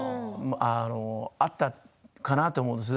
あったかなと思うんです。